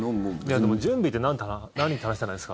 でも準備って何？って話じゃないですか。